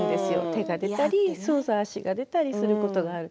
手が出たり足が出たりすることがある。